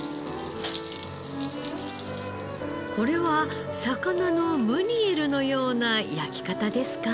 これは魚のムニエルのような焼き方ですか？